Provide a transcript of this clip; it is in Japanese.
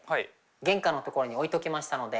玄関の所に置いときましたので。